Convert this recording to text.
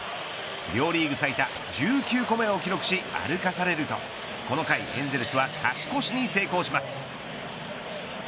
両リーグ最多１９個目を記録し歩かされるとこの回エンゼルスは勝ち越しに成功します。